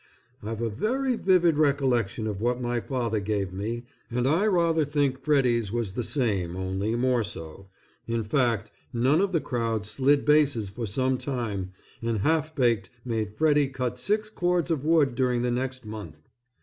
I've a very vivid recollection of what my father gave me, and I rather think Freddy's was the same only more so, in fact none of the crowd slid bases for some time, and Half Baked made Freddy cut six cords of wood during the next month.